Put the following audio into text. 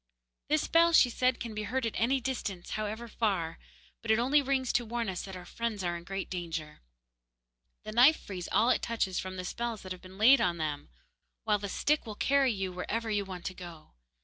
'This bell,' she said, 'can be heard at any distance, however far, but it only rings to warn us that our friends are in great danger. The knife frees all it touches from the spells that have been laid on them; while the stick will carry you wherever you want to go.